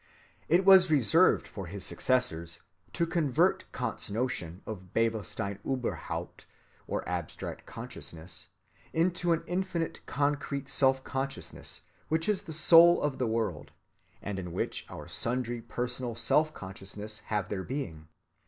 It was reserved for his successors to convert Kant's notion of Bewusstsein überhaupt, or abstract consciousness, into an infinite concrete self‐consciousness which is the soul of the world, and in which our sundry personal self‐consciousnesses have their being.